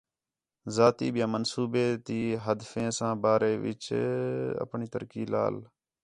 ذاتی ٻیا منصوبے تی ہدفیں ساں بارے وِچ آپݨی ترقی لال۔